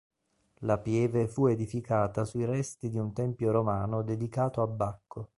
La pieve fu edificata sui resti di un tempio romano dedicato a Bacco.